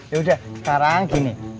yaudah sekarang gini